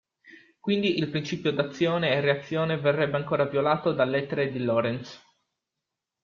Quindi il principio d'azione e reazione verrebbe ancora violato dall'etere di Lorentz.